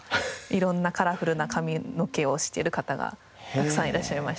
色んなカラフルな髪の毛をしている方がたくさんいらっしゃいました。